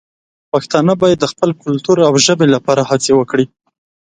پښتانه باید د خپل کلتور او ژبې لپاره هڅې وکړي.